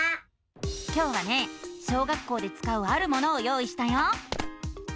今日はね小学校でつかうあるものを用意したよ！